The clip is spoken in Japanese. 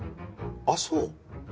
あっそう。